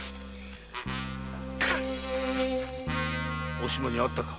お島に会ったか？